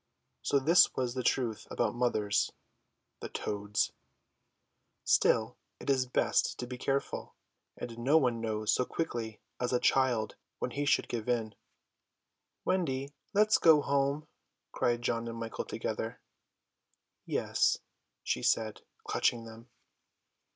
So this was the truth about mothers. The toads! Still it is best to be careful; and no one knows so quickly as a child when he should give in. "Wendy, let us go home," cried John and Michael together. "Yes," she said, clutching them.